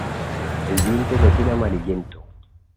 El vientre lo tiene amarillento.